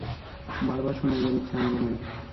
বার বার শুনাইবার ইচ্ছা আমারও নাই।